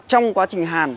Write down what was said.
trong quá trình hàn